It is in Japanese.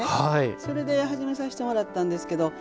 それで始めさせてもらったんですけど。